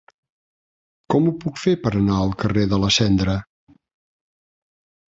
Com ho puc fer per anar al carrer de la Cendra?